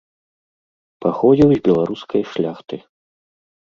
Паходзіў з беларускай шляхты.